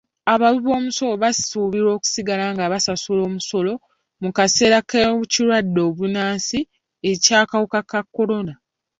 Abawibomusolo basuubirwa okusigala nga basasula omusolo mu kaseera k'ekirwadde bbunansi eky'akawuka ka kolona.